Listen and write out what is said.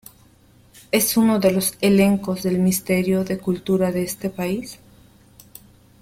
Es uno de los elencos del Ministerio de Cultura de este país.